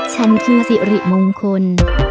ฉันคือสิริมงคล